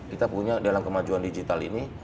kita punya dalam kemajuan digital ini